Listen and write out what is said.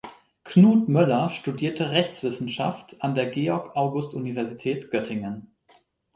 Knut Möller studierte Rechtswissenschaft an der Georg-August-Universität Göttingen.